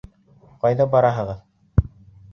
Ҡайҙа бараһығыҙ?